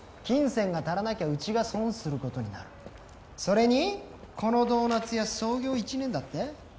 金銭が足らなきゃうちが損することになるそれにこのドーナツ屋創業１年だって？